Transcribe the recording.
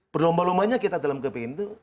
berlomba lombanya kita dalam kepingin itu